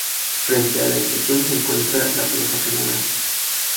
Frente a la estación se encuentra la Plaza Canadá.